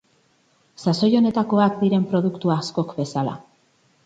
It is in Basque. Sasoi honetakoak diren produktu askok bezala.